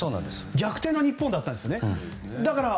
逆転の日本だったんですね。